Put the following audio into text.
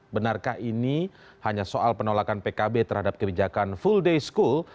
benarkah ini hanya soal penolakan pkb terhadap kebijakan full day school